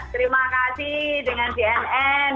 terima kasih dengan cnn